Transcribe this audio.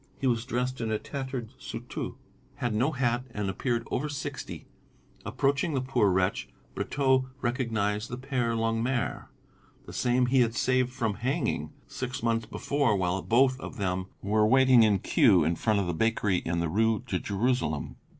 He was dressed in a tattered surtout, had no hat and appeared over sixty. Approaching the poor wretch, Brotteaux recognised the Père Longuemare, the same he had saved from hanging six months before while both of them were waiting in queue in front of the bakery in the Rue de Jérusalem.